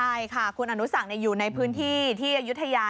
ใช่ค่ะคุณอนุสักอยู่ในพื้นที่ที่อายุทยา